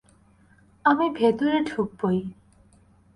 আমি ভেতরে ঢুকবোই।